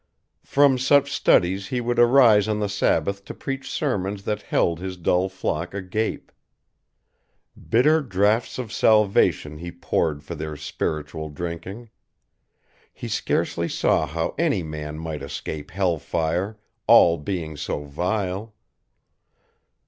From such studies he would arise on the Sabbath to preach sermons that held his dull flock agape. Bitter draughts of salvation he poured for their spiritual drinking. He scarcely saw how any man might escape hell fire, all being so vile.